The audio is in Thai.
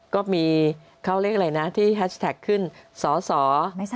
ก็มีเขาเรียกอะไรนะที่แฮชแท็กขึ้นสอสอ